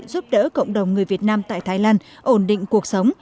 giúp đỡ cộng đồng người việt nam tại thái lan ổn định cuộc sống